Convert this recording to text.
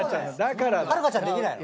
はるかちゃんできないの？